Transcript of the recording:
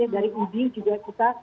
dari udi juga kita